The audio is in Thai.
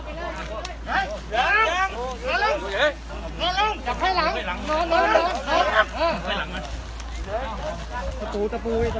กลับมาเมื่อเวลาเมื่อเวลา